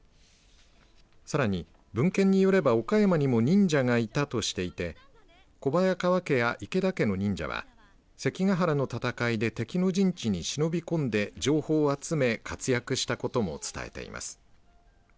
さらに文献によれば岡山にも忍者がいたとしていて小早川家や池田家の忍者は関ヶ原の戦いで敵の陣地に忍び込んで情報を集め活躍したことも伝えています。